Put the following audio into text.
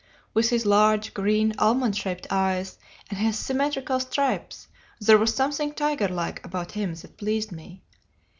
With his large, green, almond shaped eyes, and his symmetrical stripes, there was something tigerlike about him that pleased me.